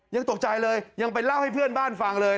ยังตกใจเลยยังไปเล่าให้เพื่อนบ้านฟังเลย